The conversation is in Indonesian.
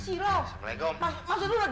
coba aku statements dia